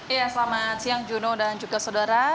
iya selamat siang juno dan juga saudara